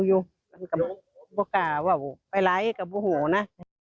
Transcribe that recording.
กำลังมาห่วงข้าวไปร้ายก็บุโหนะ